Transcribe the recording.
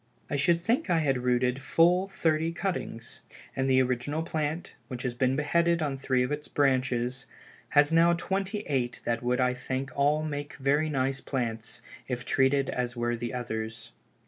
I should think I had rooted full thirty cuttings, and the original plant, which has been beheaded on three of its branches, has now twenty eight that would I think all make very nice plants, if treated as were the others.